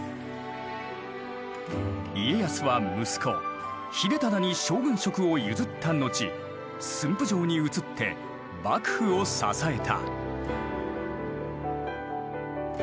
家康は息子秀忠に将軍職を譲った後駿府城に移って幕府を支えた。